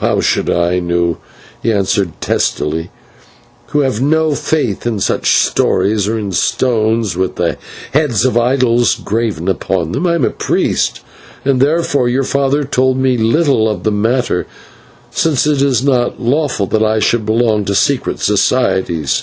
"How should I know," he answered testily, "who have no faith in such stories, or in stones with the heads of idols graven upon them? I am a priest, and therefore your father told me little of the matter, since it is not lawful that I should belong to secret societies.